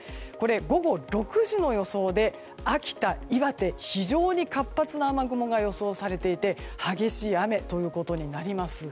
午後６時の予想で秋田、岩手非常に活発な雨雲が予想されていて激しい雨ということになります。